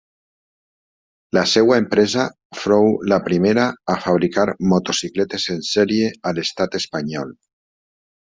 La seva empresa fou la primera a fabricar motocicletes en sèrie a l'estat espanyol.